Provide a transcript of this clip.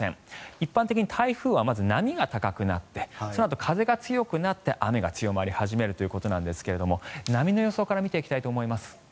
一般的に台風はまず波が高くなってそのあと風が強くなって雨が強まり始めるということですが波の予想から見ていきたいと思います。